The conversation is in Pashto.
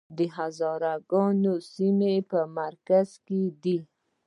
د هزاره ګانو سیمې په مرکز کې دي